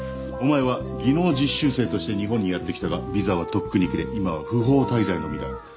お前は技能実習生として日本にやって来たがビザはとっくに切れ今は不法滞在の身だ。